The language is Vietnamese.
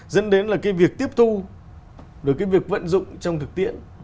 dẫn đến là cái việc tiếp thu rồi cái việc vận dụng trong thực tiễn